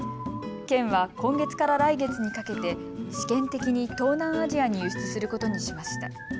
県は今月から来月にかけて試験的に東南アジアに輸出することにしました。